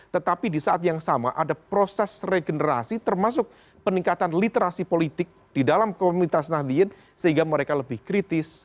tetapi di saat yang sama ada proses regenerasi termasuk peningkatan literasi politik di dalam komunitas nahdien sehingga mereka lebih kritis